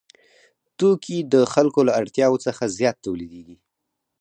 توکي د خلکو له اړتیاوو څخه زیات تولیدېږي